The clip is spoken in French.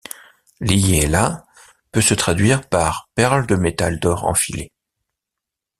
Liyela peut se traduire par perles de métal d'or enfilées.